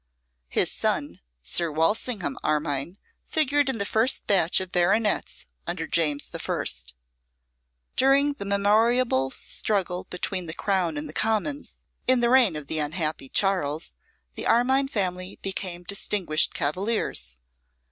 His son, Sir Walsingham Armine, figured in the first batch of baronets under James the First. During the memorable struggle between the Crown and the Commons, in the reign of the unhappy Charles, the Armine family became distinguished Cavaliers.